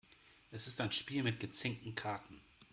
Es ist ein Spiel mit gezinkten Karten.